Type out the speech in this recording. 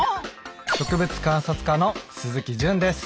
植物観察家の鈴木純です。